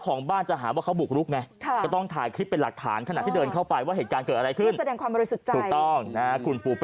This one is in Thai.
มอมมันจะมากอยู่แล้วอะครับ